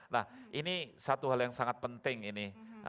nah ini satu hal yang sangat penting ini